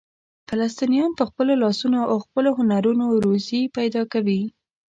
فلسطینیان په خپلو لاسونو او خپلو هنرونو روزي پیدا کوي.